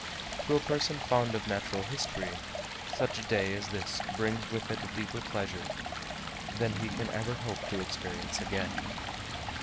To a person fond of natural history, such a day as this brings with it a deeper pleasure than he can ever hope to experience again.